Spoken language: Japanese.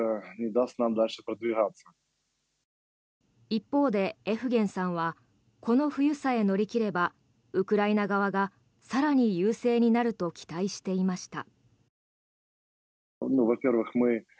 一方でエフゲンさんはこの冬さえ乗り切ればウクライナ側が更に優勢になると期待していました。